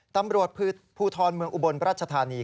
ตำรวจภูทรเมืองอุบลราชธานี